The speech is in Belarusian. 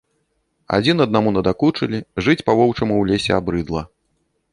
Адзін аднаму надакучылі, жыць па-воўчаму ў лесе абрыдла.